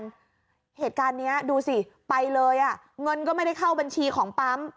เหตุการณ์นี้ดูสิไปเลยอ่ะเงินก็ไม่ได้เข้าบัญชีของปั๊ม